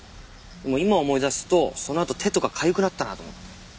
でも今思い出すとそのあと手とかかゆくなったなと思って。